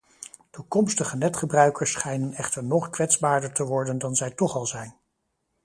Toekomstige netgebruikers schijnen echter nog kwetsbaarder te worden dan zij toch al zijn.